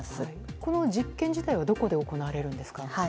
この実験自体はどこで行われるんですか？